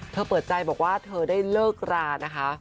เปิดใจบอกว่าเธอได้เลิกรานะคะ